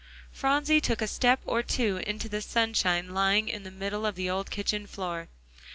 Phronsie took a step or two into the sunshine lying on the middle of the old kitchen floor.